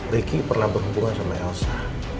ricky pernah berhubungan sama elsa